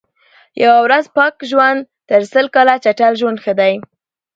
یوه ورځ پاک ژوند تر سل کال چټل ژوند ښه دئ.